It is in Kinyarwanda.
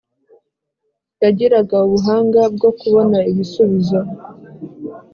Yagiraga ubuhanga bwo kubona ibisubizo